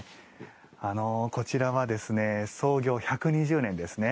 こちらは創業１２０年ですね。